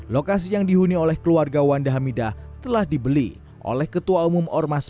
lokasi yang dihuni oleh keluarga wanda hamidah telah dibeli oleh ketua umum ormas